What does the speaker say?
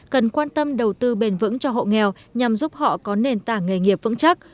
cần quan tâm đầu tư bền vững cho hộ nghèo nhằm giúp họ có nền tảng nghề nghiệp vững chắc